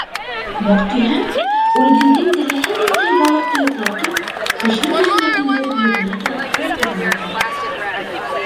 Баҡтиһәң, Үлгиндең теләһә ниндәй балыҡты йоҡлатып, кеше төшөнә индереп ебәрә торған һәләте бар икән.